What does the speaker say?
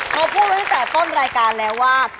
เขาพูดไว้ตั้งแต่ต้นรายการแล้วว่า